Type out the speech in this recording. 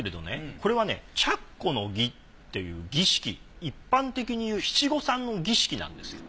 これはね着袴の儀という儀式一般的に言う七五三の儀式なんですよ。